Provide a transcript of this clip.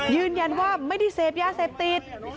ยืนยันว่าไม่ได้เสพยาเสพติด